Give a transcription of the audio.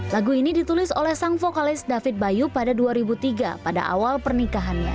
lagu ini ditulis oleh sang vokalis david bayu pada dua ribu tiga pada awal pernikahannya